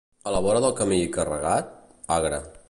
A la vora del camí i carregat? Agre.